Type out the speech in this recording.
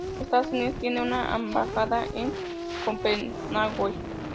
Estados Unidos tiene una embajada en Copenhague.